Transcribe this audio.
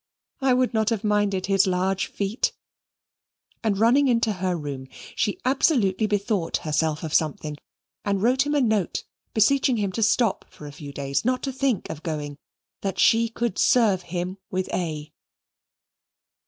I would not have minded his large feet"; and running into her room, she absolutely bethought herself of something, and wrote him a note, beseeching him to stop for a few days not to think of going and that she could serve him with A.